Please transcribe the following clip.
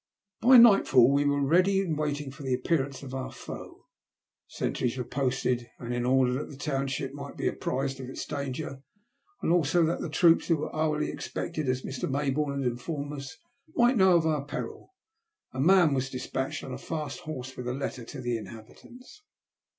By nightfall we were ready and waiting for the appearance of our foe. Sentries were posted, and in order that the township might be apprised of its danger and also that the troops who were hourly expected, as Mr. Mayboume had informed us, might know of onr peril, a man was despatched on a fast horse with a letter to the inhabitants.